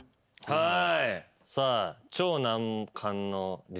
はい。